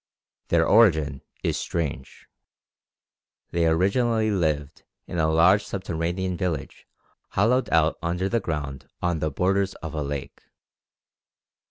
Their origin is strange. They originally lived in a large subterranean village hollowed out under the ground on the borders of a lake.